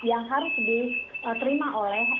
yang harus diterima oleh